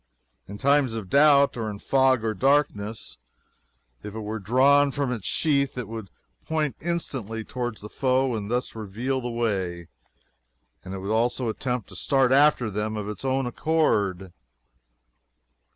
In times of doubt, or in fog or darkness, if it were drawn from its sheath it would point instantly toward the foe, and thus reveal the way and it would also attempt to start after them of its own accord.